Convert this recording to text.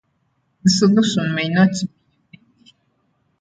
The solution may not be unique.